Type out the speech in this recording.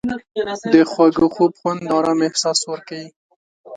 د خواږه خوب خوند د آرام احساس ورکوي.